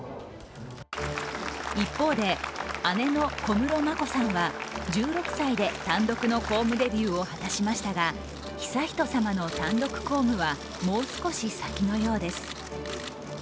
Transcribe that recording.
一方で、姉の小室眞子さんは１６歳で単独の公務デビューを果たしましたが悠仁さまの単独公務はもう少し先のようです。